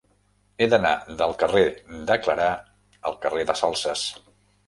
He d'anar del carrer de Clarà al carrer de Salses.